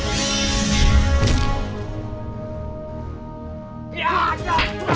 terima kasih abang